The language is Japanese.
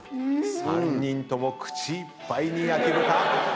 ３人とも口いっぱいに焼豚！